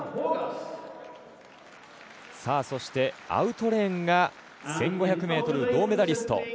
そして、アウトレーンが１５００ｍ銅メダリスト